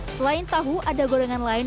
selain tahu ada gorengan lain